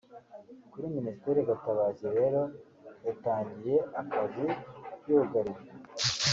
Kuri Ministre Gatabazi rero yatangiye akazi yugarijwe